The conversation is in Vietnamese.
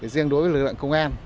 riêng đối với lực lượng công an